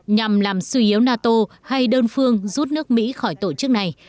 nhằm làm suy yếu nato hay đơn phương rút nước mỹ khỏi tổ chức này